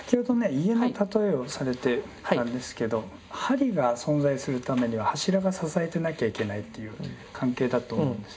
家の例えをされていたんですけど梁が存在するためには柱が支えてなきゃいけないという関係だと思うんです。